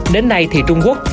đến nay thì trung quốc